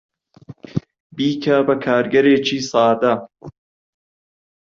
بیکە بە کارگەرێکی سادە.